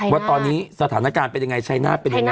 ว่าตอนนี้สถานการณ์เป็นยังไงชัยหน้าเป็นยังไง